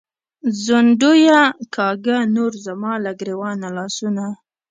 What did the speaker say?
“ځونډیه”کاږه نور زما له ګرېوانه لاسونه